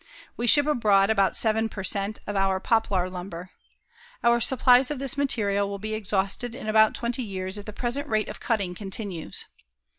We ship abroad about seven per cent. of our poplar lumber. Our supplies of this material will be exhausted in about twenty years if the present rate of cutting continues.